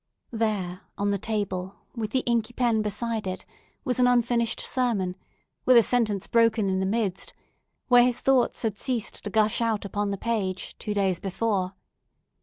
There on the table, with the inky pen beside it, was an unfinished sermon, with a sentence broken in the midst, where his thoughts had ceased to gush out upon the page two days before.